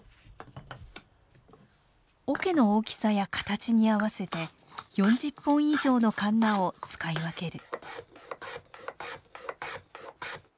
桶の大きさや形に合わせて４０本以上のカンナを使い分ける。